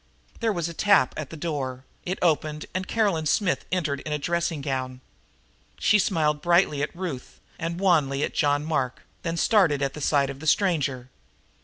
There was a tap at the door, it opened and Caroline Smith entered in a dressing gown. She smiled brightly at Ruth and wanly at John Mark, then started at the sight of the stranger.